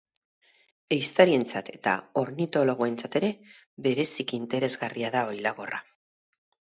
Ehiztarientzat eta ornitologoentzat ere bereziki interesgarria da oilagorra.